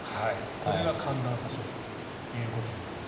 これが寒暖差ショックということになります。